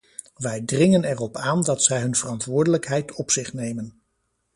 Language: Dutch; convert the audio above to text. Wij dringen erop aan dat zij hun verantwoordelijkheid op zich nemen.